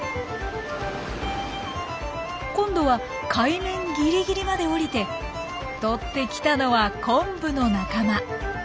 今度は海面ぎりぎりまで下りてとってきたのはコンブの仲間。